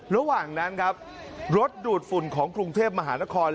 ระหว่างนั้นครับรถดูดฝุ่นของกรุงเทพมหานคร